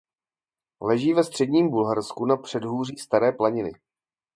Leží ve středním Bulharsku na předhůří Staré planiny.